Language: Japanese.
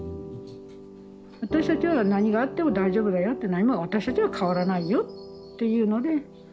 私たちは何があっても大丈夫だよって何も私たちは変わらないよっていうので見守りますよと。